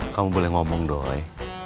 kamu boleh ngomong doi